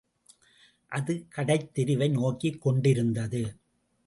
அது கடைத் தெருவை நோக்கிக் கொண்டிருந்தது.